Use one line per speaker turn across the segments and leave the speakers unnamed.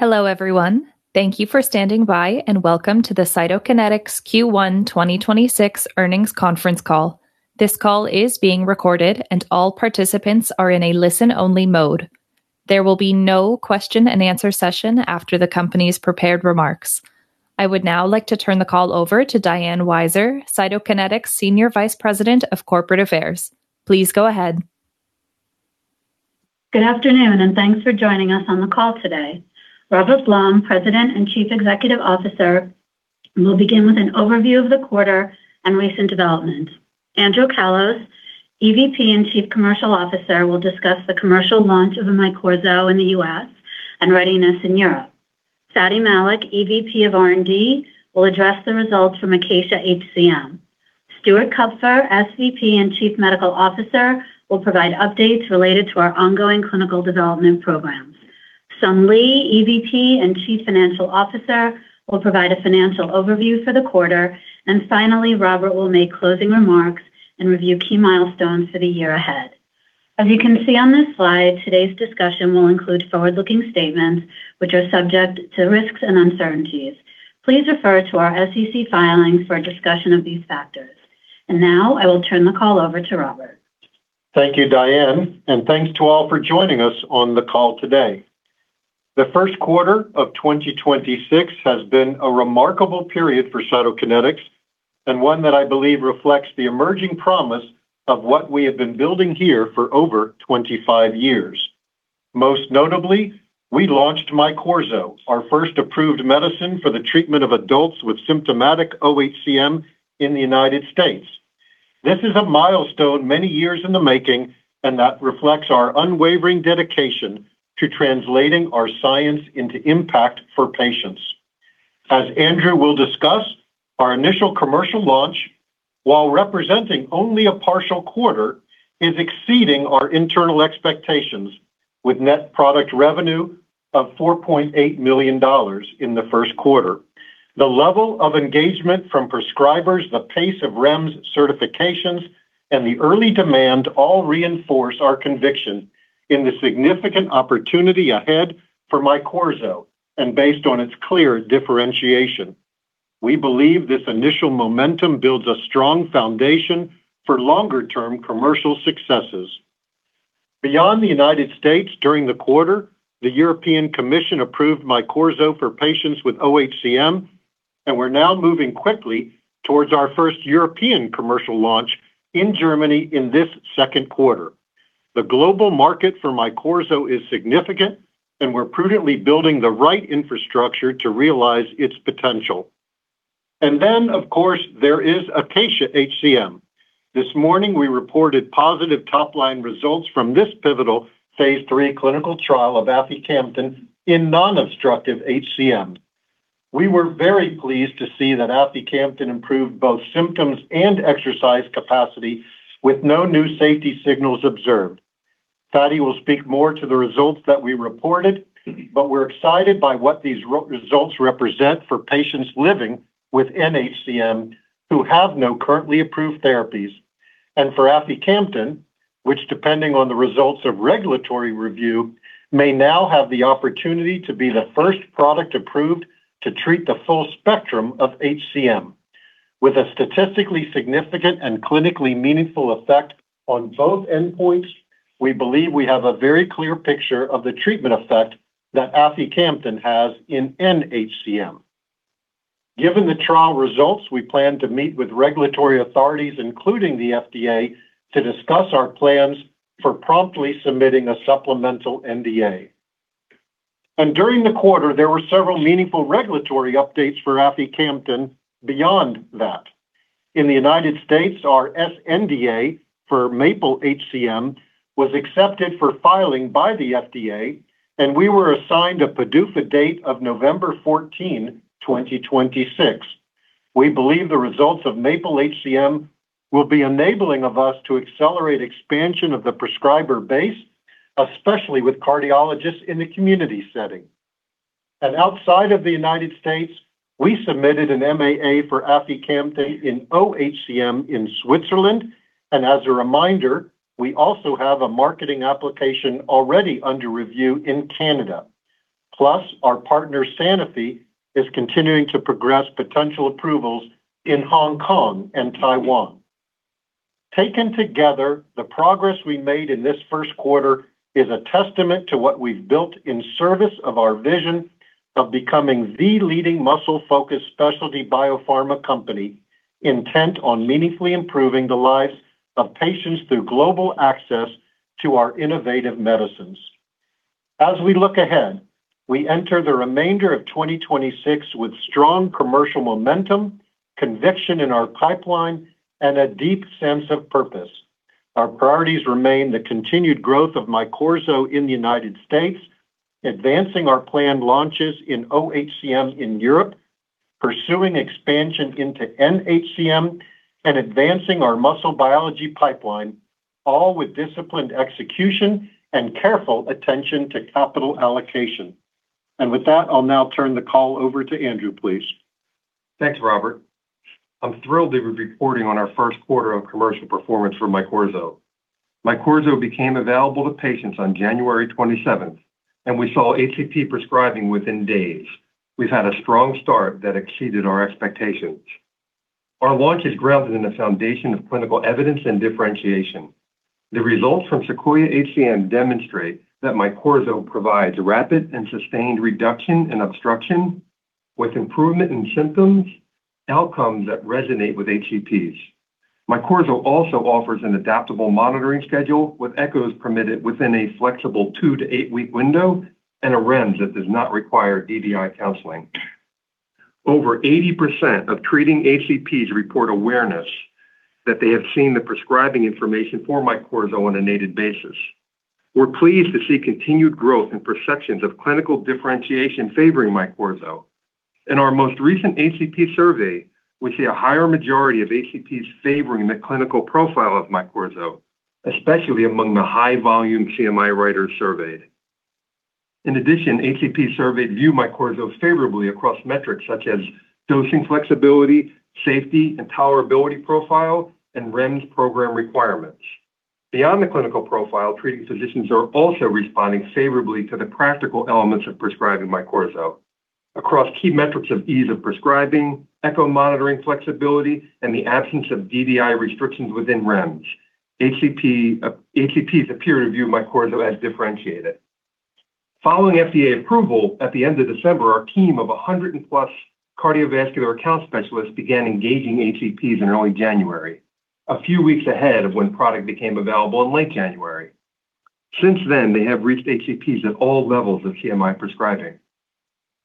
Hello, everyone. Thank you for standing by and welcome to the Cytokinetics Q1 2026 earnings conference call. This call is being recorded and all participants are in a listen-only mode. There will be no question and answer session after the company's prepared remarks. I would now like to turn the call over to Diane Weiser, Cytokinetics Senior Vice President, Corporate Affairs. Please go ahead.
Good afternoon, and thanks for joining us on the call today. Robert Blum, President and Chief Executive Officer, will begin with an overview of the quarter and recent developments. Andrew Callos, EVP and Chief Commercial Officer, will discuss the commercial launch of MYQORZO in the U.S. and readiness in Europe. Fady Malik, EVP of R&D, will address the results from ACACIA-HCM. Stuart Kupfer, SVP and Chief Medical Officer, will provide updates related to our ongoing clinical development programs. Sung Lee, EVP and Chief Financial Officer, will provide a financial overview for the quarter. Finally, Robert will make closing remarks and review key milestones for the year ahead. As you can see on this slide, today's discussion will include forward-looking statements which are subject to risks and uncertainties. Please refer to our SEC filings for a discussion of these factors. Now I will turn the call over to Robert.
Thank you, Diane, and thanks to all for joining us on the call today. The first quarter of 2026 has been a remarkable period for Cytokinetics and one that I believe reflects the emerging promise of what we have been building here for over 25 years. Most notably, we launched MYQORZO, our first approved medicine for the treatment of adults with symptomatic oHCM in the United States. This is a milestone many years in the making and that reflects our unwavering dedication to translating our science into impact for patients. As Andrew will discuss, our initial commercial launch, while representing only a partial quarter, is exceeding our internal expectations with net product revenue of $4.8 million in the first quarter. The level of engagement from prescribers, the pace of REMS certifications, and the early demand all reinforce our conviction in the significant opportunity ahead for MYQORZO and based on its clear differentiation. We believe this initial momentum builds a strong foundation for longer-term commercial successes. Beyond the United States, during the quarter, the European Commission approved MYQORZO for patients with oHCM, and we're now moving quickly towards our first European commercial launch in Germany in this second quarter. The global market for MYQORZO is significant, and we're prudently building the right infrastructure to realize its potential. Then, of course, there is ACACIA-HCM. This morning we reported positive top-line results from this pivotal phase III clinical trial of aficamten in non-obstructive HCM. We were very pleased to see that aficamten improved both symptoms and exercise capacity with no new safety signals observed. Fady will speak more to the results that we reported, but we're excited by what these results represent for patients living with NHCM who have no currently approved therapies. For aficamten, which depending on the results of regulatory review, may now have the opportunity to be the first product approved to treat the full spectrum of HCM. With a statistically significant and clinically meaningful effect on both endpoints, we believe we have a very clear picture of the treatment effect that aficamten has in NHCM. Given the trial results, we plan to meet with regulatory authorities, including the FDA, to discuss our plans for promptly submitting a supplemental NDA. During the quarter, there were several meaningful regulatory updates for aficamten beyond that. In the United States, our sNDA for MAPLE-HCM was accepted for filing by the FDA. We were assigned a PDUFA date of November 14, 2026. We believe the results of MAPLE-HCM will be enabling of us to accelerate expansion of the prescriber base, especially with cardiologists in the community setting. Outside of the United States, we submitted an MAA for aficamten in HCM in Switzerland. As a reminder, we also have a marketing application already under review in Canada. Plus, our partner, Sanofi, is continuing to progress potential approvals in Hong Kong and Taiwan. Taken together, the progress we made in this first quarter is a testament to what we've built in service of our vision of becoming the leading muscle-focused specialty biopharma company intent on meaningfully improving the lives of patients through global access to our innovative medicines. As we look ahead, we enter the remainder of 2026 with strong commercial momentum, conviction in our pipeline, and a deep sense of purpose. Our priorities remain the continued growth of MYQORZO in the United States, advancing our planned launches in oHCM in Europe, pursuing expansion into NHCM, and advancing our muscle biology pipeline, all with disciplined execution and careful attention to capital allocation. With that, I'll now turn the call over to Andrew, please.
Thanks, Robert. I'm thrilled to be reporting on our first quarter of commercial performance for MYQORZO. MYQORZO became available to patients on January 27, and we saw HCP prescribing within days. We've had a strong start that exceeded our expectations. Our launch is grounded in a foundation of clinical evidence and differentiation. The results from SEQUOIA-HCM demonstrate that MYQORZO provides rapid and sustained reduction and obstruction with improvement in symptoms, outcomes that resonate with HCPs. MYQORZO also offers an adaptable monitoring schedule with echoes permitted within a flexible two to eight week window and a REMS that does not require DDI counseling. Over 80% of treating HCPs report awareness that they have seen the prescribing information for MYQORZO on a needed basis. We're pleased to see continued growth in perceptions of clinical differentiation favoring MYQORZO. In our most recent HCP survey, we see a higher majority of HCPs favoring the clinical profile of MYQORZO, especially among the high-volume CMI writers surveyed. In addition, HCP surveyed view MYQORZO favorably across metrics such as dosing flexibility, safety, and tolerability profile, and REMS program requirements. Beyond the clinical profile, treating physicians are also responding favorably to the practical elements of prescribing MYQORZO. Across key metrics of ease of prescribing, echo monitoring flexibility, and the absence of DDI restrictions within REMS, HCPs appear to view MYQORZO as differentiated. Following FDA approval at the end of December, our team of 100+ cardiovascular account specialists began engaging HCPs in early January, a few weeks ahead of when product became available in late January. Since then, they have reached HCPs at all levels of CMI prescribing.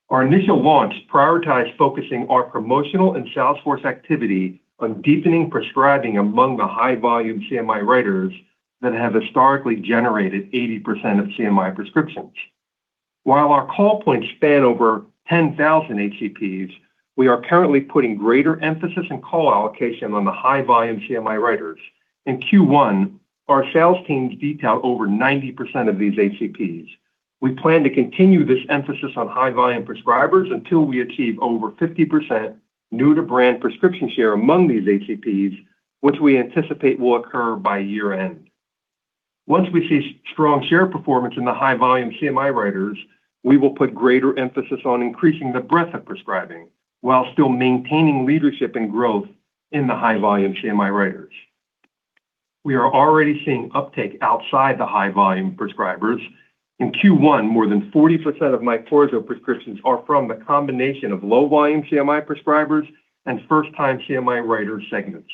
Our initial launch prioritized focusing our promotional and sales force activity on deepening prescribing among the high-volume CMI writers that have historically generated 80% of CMI prescriptions. While our call points span over 10,000 HCPs, we are currently putting greater emphasis and call allocation on the high-volume CMI writers. In Q1, our sales teams detailed over 90% of these HCPs. We plan to continue this emphasis on high-volume prescribers until we achieve over 50% new-to-brand prescription share among these HCPs, which we anticipate will occur by year-end. Once we see strong share performance in the high-volume CMI writers, we will put greater emphasis on increasing the breadth of prescribing while still maintaining leadership and growth in the high-volume CMI writers. We are already seeing uptake outside the high-volume prescribers. In Q1, more than 40% of MYQORZO prescriptions are from the combination of low-volume CMI prescribers and first-time CMI writer segments.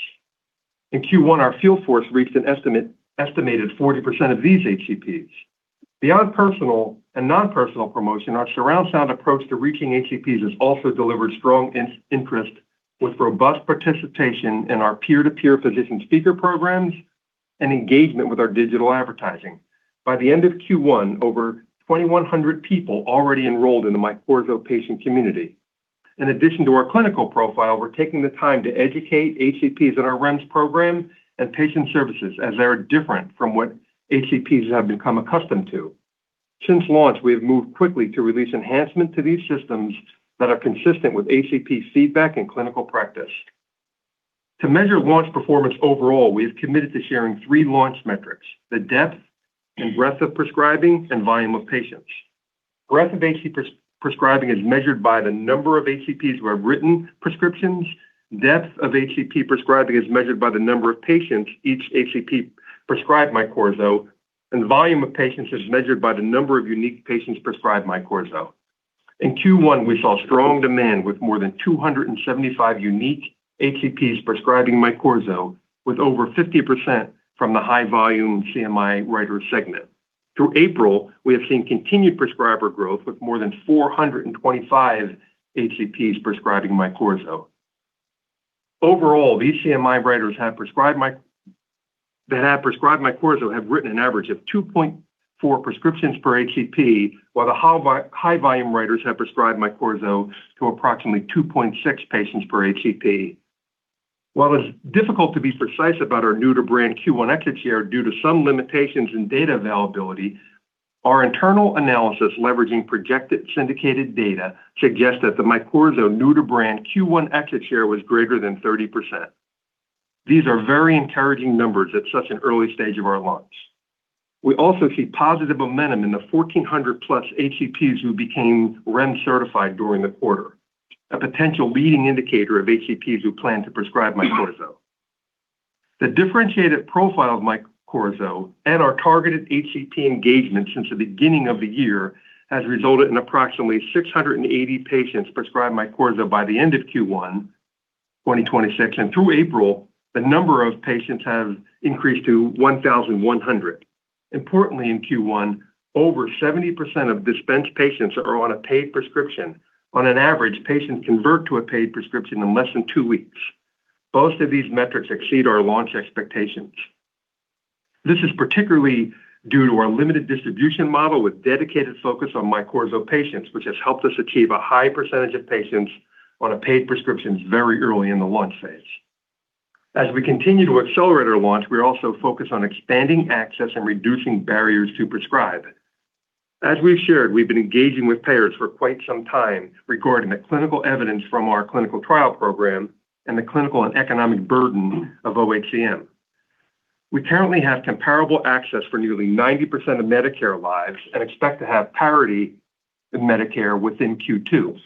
In Q1, our field force reached an estimated 40% of these HCPs. Beyond personal and non-personal promotion, our surround sound approach to reaching HCPs has also delivered strong interest with robust participation in our peer-to-peer physician speaker programs and engagement with our digital advertising. By the end of Q1, over 2,100 people already enrolled in the MYQORZO patient community. In addition to our clinical profile, we're taking the time to educate HCPs on our REMS program and patient services as they are different from what HCPs have become accustomed to. Since launch, we have moved quickly to release enhancement to these systems that are consistent with HCP feedback and clinical practice. To measure launch performance overall, we have committed to sharing three launch metrics: the depth and breadth of prescribing and volume of patients. Breadth of HCP prescribing is measured by the number of HCPs who have written prescriptions. Depth of HCP prescribing is measured by the number of patients each HCP prescribed MYQORZO, and volume of patients is measured by the number of unique patients prescribed MYQORZO. In Q1, we saw strong demand with more than 275 unique HCPs prescribing MYQORZO with over 50% from the high-volume CMI writer segment. Through April, we have seen continued prescriber growth with more than 425 HCPs prescribing MYQORZO. Overall, these CMI writers that have prescribed MYQORZO have written an average of 2.4 prescriptions per HCP, while the high volume writers have prescribed MYQORZO to approximately 2.6 patients per HCP. While it's difficult to be precise about our new-to-brand Q1 exit share due to some limitations in data availability, our internal analysis leveraging projected syndicated data suggests that the MYQORZO new-to-brand Q1 exit share was greater than 30%. These are very encouraging numbers at such an early stage of our launch. We also see positive momentum in the 1,400+ HCPs who became REMS certified during the quarter, a potential leading indicator of HCPs who plan to prescribe MYQORZO. The differentiated profile of MYQORZO and our targeted HCP engagement since the beginning of the year has resulted in approximately 680 patients prescribed MYQORZO by the end of Q1 2026. Through April, the number of patients have increased to 1,100. Importantly, in Q1, over 70% of dispensed patients are on a paid prescription. On average, patients convert to a paid prescription in less than two weeks. Both of these metrics exceed our launch expectations. This is particularly due to our limited distribution model with dedicated focus on MYQORZO patients, which has helped us achieve a high percentage of patients on a paid prescription very early in the launch phase. As we continue to accelerate our launch, we're also focused on expanding access and reducing barriers to prescribe. As we've shared, we've been engaging with payers for quite some time regarding the clinical evidence from our clinical trial program and the clinical and economic burden of oHCM. We currently have comparable access for nearly 90% of Medicare lives and expect to have parity in Medicare within Q2.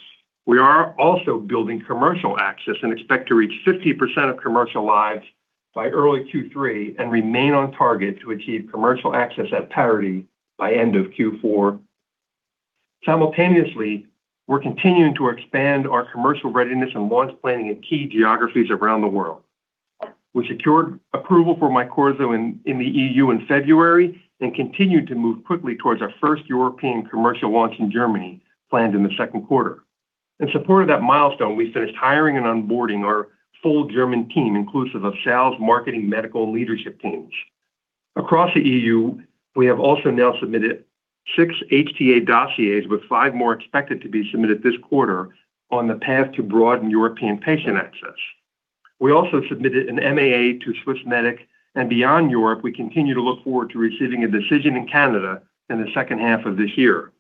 We are also building commercial access and expect to reach 50% of commercial lives by early Q3 and remain on target to achieve commercial access at parity by end of Q4. We're continuing to expand our commercial readiness and launch planning in key geographies around the world. We secured approval for MYQORZO in the EU in February and continued to move quickly towards our first European commercial launch in Germany planned in the second quarter. In support of that milestone, we finished hiring and onboarding our full German team, inclusive of sales, marketing, medical, and leadership teams. Across the EU, we have also now submitted six HTA dossiers with five more expected to be submitted this quarter on the path to broaden European patient access. We also submitted an MAA to Swissmedic. Beyond Europe, we continue to look forward to receiving a decision in Canada in the second half of this year.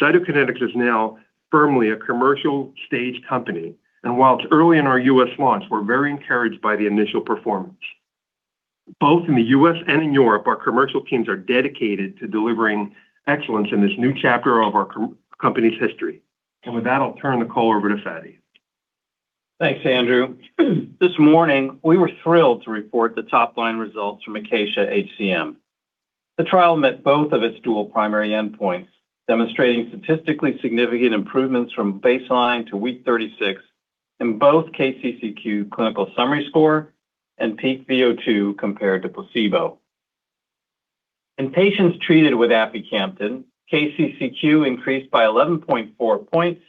Cytokinetics is now firmly a commercial stage company. While it's early in our U.S. launch, we're very encouraged by the initial performance. Both in the U.S. and in Europe, our commercial teams are dedicated to delivering excellence in this new chapter of our company's history. With that, I'll turn the call over to Fady.
Thanks, Andrew. This morning, we were thrilled to report the top-line results from ACACIA-HCM. The trial met both of its dual primary endpoints, demonstrating statistically significant improvements from baseline to week 36 in both KCCQ clinical summary score and peak VO2 compared to placebo. In patients treated with aficamten, KCCQ increased by 11.4 points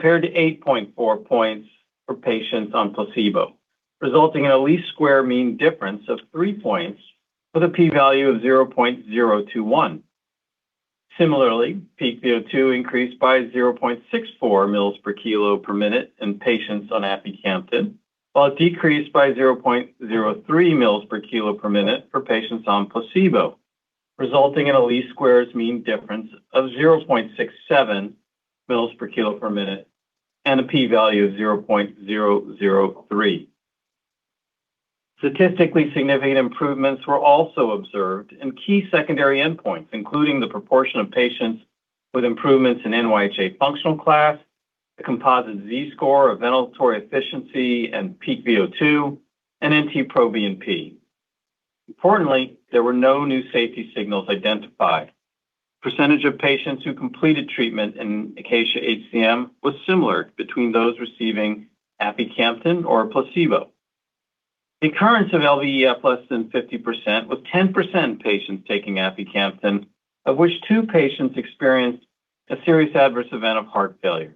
compared to 8.4 points for patients on placebo, resulting in a least squares mean difference of 3 points with a P value of 0.021. Similarly, peak VO2 increased by 0.64 mL/kg/min in patients on aficamten, while it decreased by 0.03 mL/kg/min for patients on placebo, resulting in a least squares mean difference of 0.67 mL/kg/min and a P value of 0.003. Statistically significant improvements were also observed in key secondary endpoints, including the proportion of patients with improvements in NYHA functional class, the composite Z-score of ventilatory efficiency and peak VO2, and NT-proBNP. Importantly, there were no new safety signals identified. Percentage of patients who completed treatment in ACACIA-HCM was similar between those receiving aficamten or placebo. Recurrence of LVEF less than 50%, with 10% patients taking aficamten, of which two patients experienced a serious adverse event of heart failure.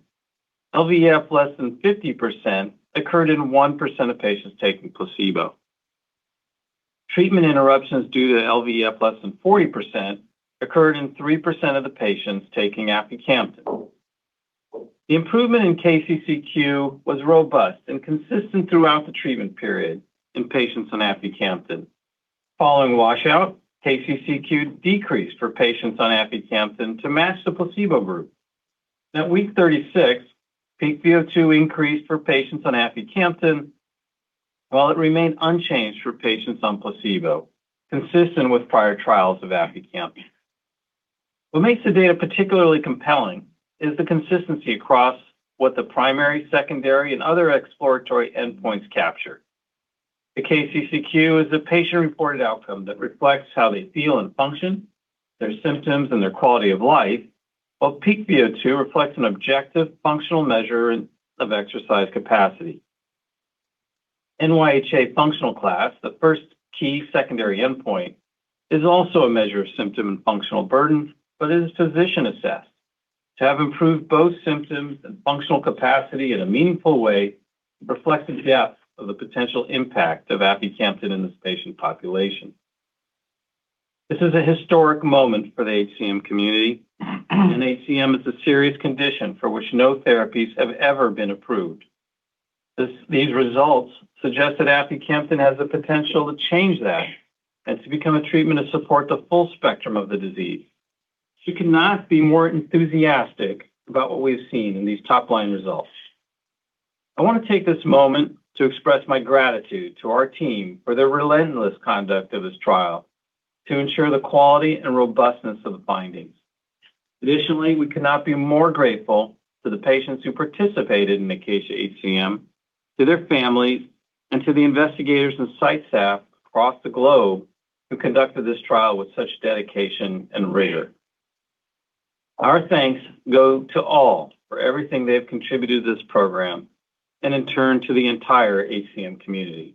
LVEF less than 50% occurred in 1% of patients taking placebo. Treatment interruptions due to LVEF less than 40% occurred in 3% of the patients taking aficamten. The improvement in KCCQ was robust and consistent throughout the treatment period in patients on aficamten. Following washout, KCCQ decreased for patients on aficamten to match the placebo group. At week 36, peak VO2 increased for patients on aficamten, while it remained unchanged for patients on placebo, consistent with prior trials of aficamten. What makes the data particularly compelling is the consistency across what the primary, secondary, and other exploratory endpoints capture. The KCCQ is a patient-reported outcome that reflects how they feel and function, their symptoms and their quality of life, while peak VO2 reflects an objective functional measure of exercise capacity. NYHA functional class, the first key secondary endpoint, is also a measure of symptom and functional burden, but is physician-assessed. To have improved both symptoms and functional capacity in a meaningful way reflects the depth of the potential impact of aficamten in this patient population. This is a historic moment for the HCM community. HCM is a serious condition for which no therapies have ever been approved. These results suggest that aficamten has the potential to change that and to become a treatment to support the full spectrum of the disease. We could not be more enthusiastic about what we've seen in these top-line results. I want to take this moment to express my gratitude to our team for their relentless conduct of this trial to ensure the quality and robustness of the findings. Additionally, we could not be more grateful to the patients who participated in ACACIA-HCM, to their families, and to the investigators and site staff across the globe who conducted this trial with such dedication and rigor. Our thanks go to all for everything they have contributed to this program and in turn to the entire HCM community.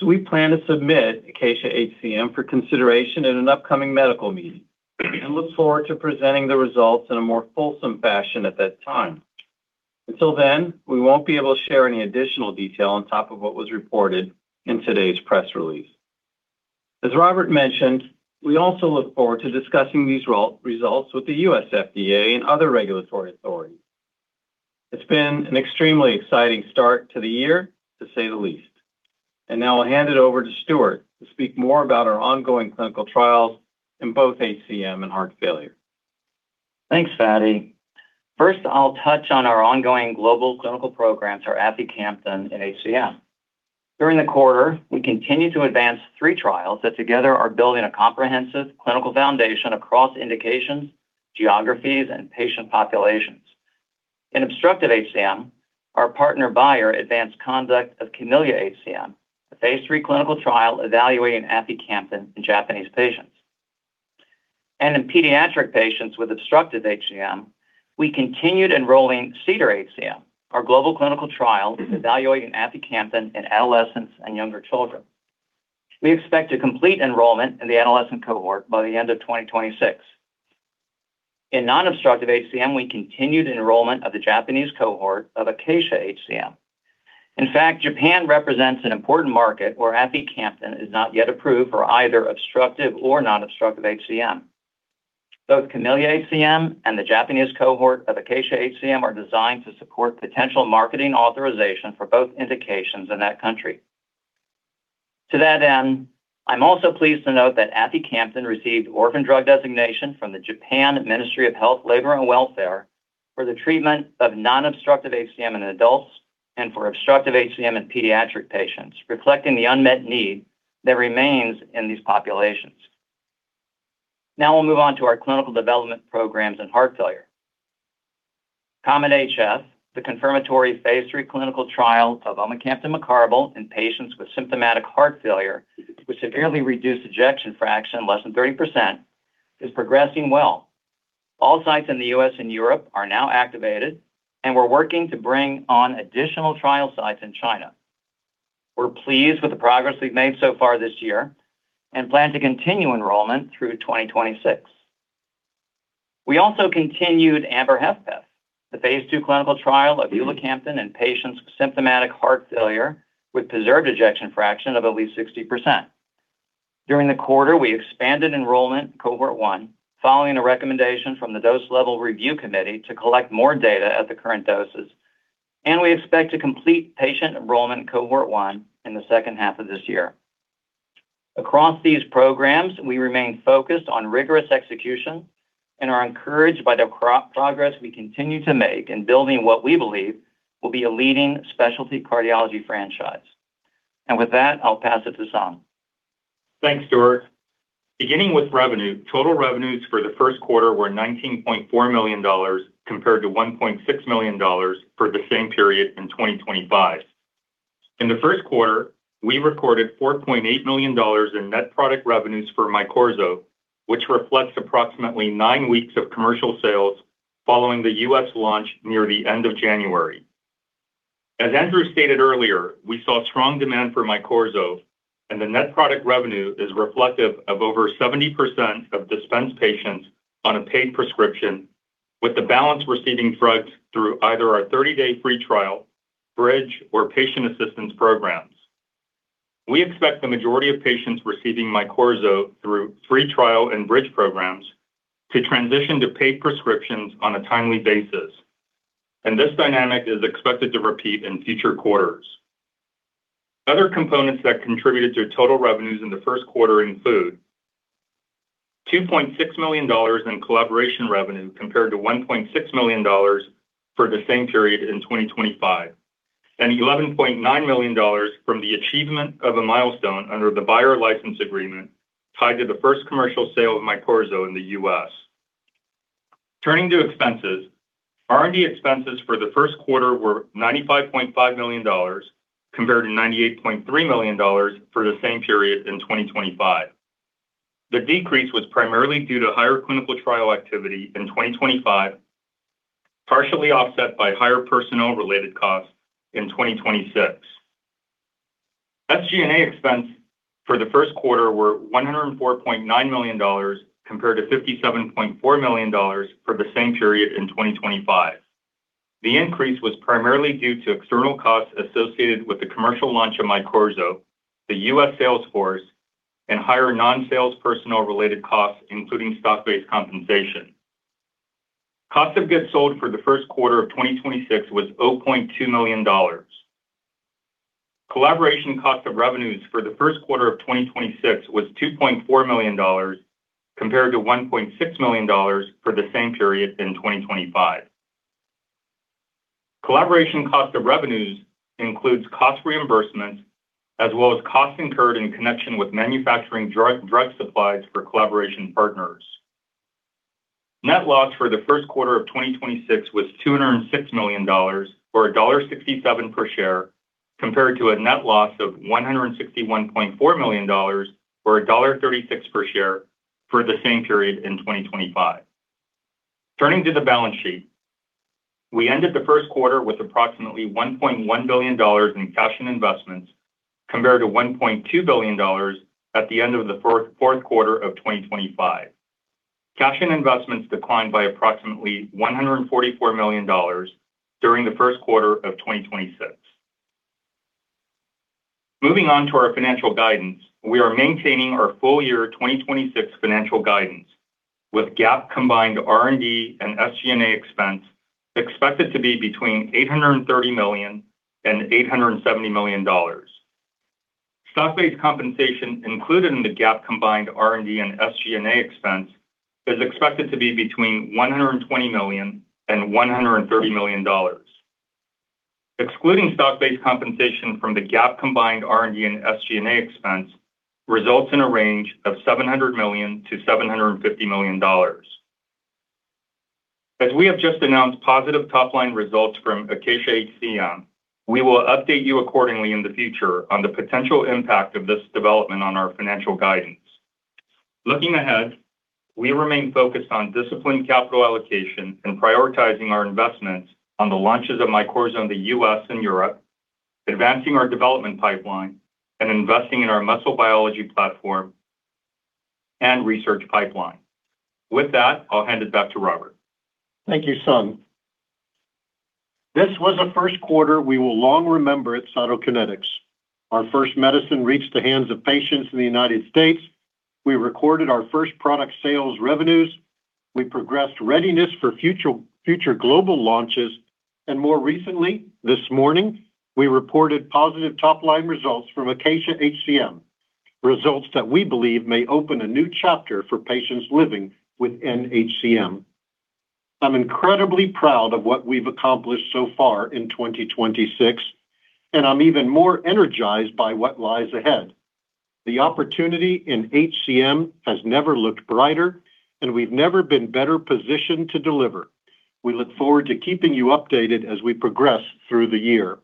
We plan to submit ACACIA-HCM for consideration in an upcoming medical meeting and look forward to presenting the results in a more fulsome fashion at that time. Until then, we won't be able to share any additional detail on top of what was reported in today's press release. As Robert mentioned, we also look forward to discussing these results with the U.S. FDA and other regulatory authorities. It's been an extremely exciting start to the year, to say the least. Now I'll hand it over to Stuart to speak more about our ongoing clinical trials in both HCM and heart failure.
Thanks, Fady. First, I'll touch on our ongoing global clinical programs for aficamten in HCM. During the quarter, we continued to advance three trials that together are building a comprehensive clinical foundation across indications, geographies, and patient populations. In obstructive HCM, our partner, Bayer, advanced conduct of CAMELLIA-HCM, a phase III clinical trial evaluating aficamten in Japanese patients. In pediatric patients with obstructive HCM, we continued enrolling CEDAR-HCM, our global clinical trial evaluating aficamten in adolescents and younger children. We expect to complete enrollment in the adolescent cohort by the end of 2026. In non-obstructive HCM, we continued enrollment of the Japanese cohort of ACACIA-HCM. In fact, Japan represents an important market where aficamten is not yet approved for either obstructive or non-obstructive HCM. Both CAMELLIA-HCM and the Japanese cohort of ACACIA-HCM are designed to support potential marketing authorization for both indications in that country. To that end, I'm also pleased to note that aficamten received orphan drug designation from the Japan Ministry of Health, Labour and Welfare for the treatment of non-obstructive HCM in adults and for obstructive HCM in pediatric patients, reflecting the unmet need that remains in these populations. Now we'll move on to our clinical development programs in heart failure. COMET-HF, the confirmatory phase III clinical trial of omecamtiv mecarbil in patients with symptomatic heart failure with severely reduced ejection fraction less than 30%, is progressing well. All sites in the U.S. and Europe are now activated, and we're working to bring on additional trial sites in China. We're pleased with the progress we've made so far this year and plan to continue enrollment through 2026. We also continued AMBER-HFpEF, the phase II clinical trial of ulicamten in patients with symptomatic heart failure with preserved ejection fraction of at least 60%. During the quarter, we expanded enrollment in Cohort 1 following a recommendation from the dose level review committee to collect more data at the current doses. We expect to complete patient enrollment in Cohort 1 in the second half of this year. Across these programs, we remain focused on rigorous execution and are encouraged by the progress we continue to make in building what we believe will be a leading specialty cardiology franchise. With that, I'll pass it to Sung.
Thanks, Stuart. Beginning with revenue, total revenues for the first quarter were $19.4 million compared to $1.6 million for the same period in 2025. In the first quarter, we recorded $4.8 million in net product revenues for MYQORZO, which reflects approximately nine weeks of commercial sales following the U.S. launch near the end of January. As Andrew stated earlier, we saw strong demand for MYQORZO, and the net product revenue is reflective of over 70% of dispensed patients on a paid prescription, with the balance receiving drugs through either our 30-day free trial, bridge, or patient assistance programs. We expect the majority of patients receiving MYQORZO through free trial and bridge programs to transition to paid prescriptions on a timely basis. This dynamic is expected to repeat in future quarters. Other components that contributed to total revenues in the first quarter include $2.6 million in collaboration revenue compared to $1.6 million for the same period in 2025, and $11.9 million from the achievement of a milestone under the Bayer license agreement tied to the first commercial sale of MYQORZO in the U.S. Turning to expenses, R&D expenses for the first quarter were $95.5 million compared to $98.3 million for the same period in 2025. The decrease was primarily due to higher clinical trial activity in 2025, partially offset by higher personnel-related costs in 2026. SG&A expense for the first quarter were $104.9 million compared to $57.4 million for the same period in 2025. The increase was primarily due to external costs associated with the commercial launch of MYQORZO, the U.S. sales force, and higher non-sales personnel-related costs, including stock-based compensation. Cost of goods sold for the first quarter of 2026 was $200,000. Collaboration cost of revenues for the first quarter of 2026 was $2.4 million compared to $1.6 million for the same period in 2025. Collaboration cost of revenues includes cost reimbursement as well as costs incurred in connection with manufacturing drug supplies for collaboration partners. Net loss for the first quarter of 2026 was $206 million, or $1.67 per share, compared to a net loss of $161.4 million, or $1.36 per share, for the same period in 2025. Turning to the balance sheet, we ended the first quarter with approximately $1.1 billion in cash and investments, compared to $1.2 billion at the end of the fourth quarter of 2025. Cash and investments declined by approximately $144 million during the first quarter of 2026. Moving on to our financial guidance. We are maintaining our full-year 2026 financial guidance, with GAAP combined R&D and SG&A expense expected to be between $830 million and $870 million. Stock-based compensation included in the GAAP combined R&D and SG&A expense is expected to be between $120 million and $130 million. Excluding stock-based compensation from the GAAP combined R&D and SG&A expense results in a range of $700 million-$750 million. As we have just announced positive top-line results from ACACIA-HCM, we will update you accordingly in the future on the potential impact of this development on our financial guidance. Looking ahead, we remain focused on disciplined capital allocation and prioritizing our investments on the launches of MYQORZO in the U.S. and Europe, advancing our development pipeline, and investing in our muscle biology platform and research pipeline. With that, I'll hand it back to Robert.
Thank you, Sung. This was a first quarter we will long remember at Cytokinetics. Our first medicine reached the hands of patients in the United States. We recorded our first product sales revenues. We progressed readiness for future global launches. More recently, this morning, we reported positive top-line results from ACACIA-HCM, results that we believe may open a new chapter for patients living with NHCM. I'm incredibly proud of what we've accomplished so far in 2026. I'm even more energized by what lies ahead. The opportunity in HCM has never looked brighter. We've never been better positioned to deliver. We look forward to keeping you updated as we progress through the year.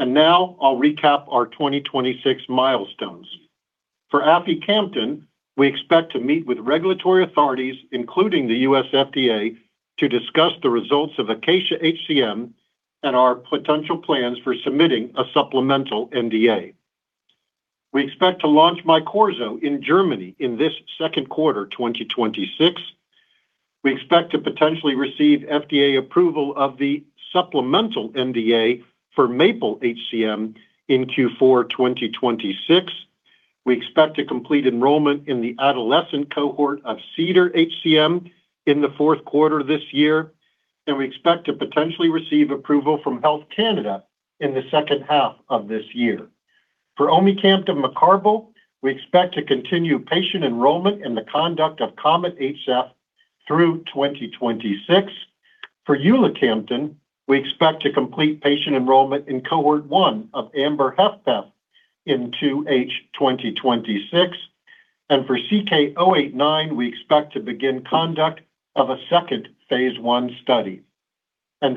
Now I'll recap our 2026 milestones. For aficamten, we expect to meet with regulatory authorities, including the U.S. FDA, to discuss the results of ACACIA-HCM and our potential plans for submitting a supplemental NDA. We expect to launch MYQORZO in Germany in this second quarter, 2026. We expect to potentially receive FDA approval of the supplemental NDA for MAPLE-HCM in Q4, 2026. We expect to complete enrollment in the adolescent cohort of CEDAR-HCM in the fourth quarter of this year. We expect to potentially receive approval from Health Canada in the second half of this year. For omecamtiv mecarbil, we expect to continue patient enrollment in the conduct of COMET-HF through 2026. For ulicamten, we expect to complete patient enrollment in Cohort 1 of AMBER-HFpEF in 2H, 2026. For CK-586, we expect to begin conduct of a second phase I study.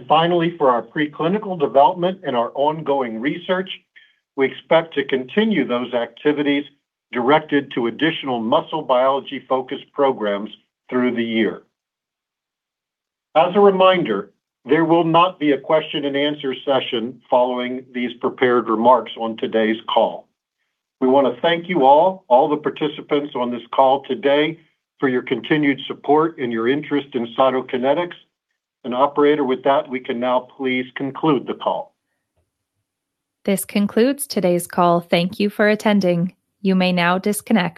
Finally, for our preclinical development and our ongoing research, we expect to continue those activities directed to additional muscle biology-focused programs through the year. As a reminder, there will not be a question and answer session following these prepared remarks on today's call. We want to thank you all, the participants on this call today for your continued support and your interest in Cytokinetics. Operator, with that, we can now please conclude the call.
This concludes today's call. Thank you for attending. You may now disconnect.